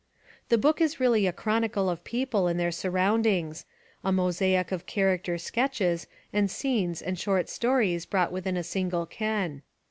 The book is really a chronicle of people and their surroundings, a mosaic of character sketches and scenes and short stories brought within a single ken.